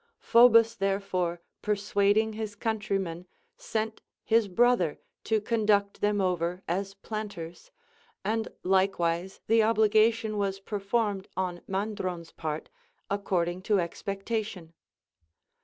Phobus therefore per suading his countrymen sent his brother to conduct them over as planters, and likewise the obligation was performed on Mandron's part according to expectation.